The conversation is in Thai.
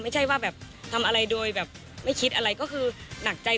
ไม่ใช่ว่าแบบทำอะไรโดยแบบไม่คิดอะไร